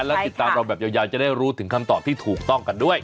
แล้วติดตามเราแบบยาวจะได้รู้ถึงคำตอบที่ถูกต้องกันด้วย